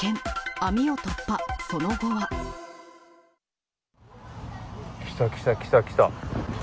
網を突破、その後は。来た来た来た来た。